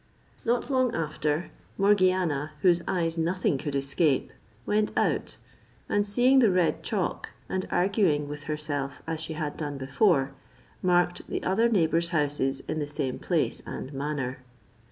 Not long after Morgiana, whose eyes nothing could escape, went out, and seeing the red chalk, and arguing with herself as she had done before, marked the other neighbours' houses in the same place and manner.